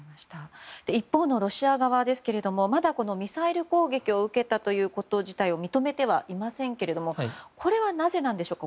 一方のロシア側ですがまだミサイル攻撃を受けたということ自体を認めてはいませんけれどもこれはなぜなんでしょう。